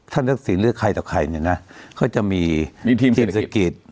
ท่านศิลป์เลือกใครต่อใครเนี่ยนะเขาจะมีทีมเศรษฐกิจ